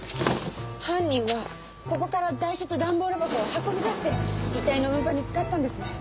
犯人はここから台車と段ボール箱を運び出して遺体の運搬に使ったんですね。